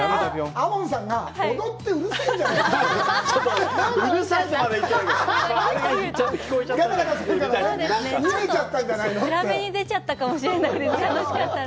亞門さんが、踊ってうるさいんじゃないかと。